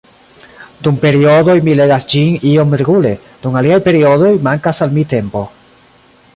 Dum periodoj mi legas ĝin iom regule, dum aliaj periodoj mankas al mi tempo.